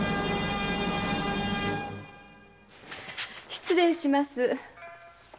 失礼します。